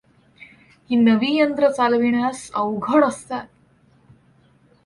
ही नवी यंत्रं चालविण्यास अवघड असतात.